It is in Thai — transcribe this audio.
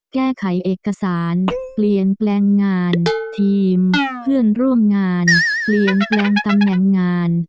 แก้ไขเอกสารเปลี่ยนแปลงงานทีมเพื่อนร่วมงานเปลี่ยนแปลงตำแหน่งงาน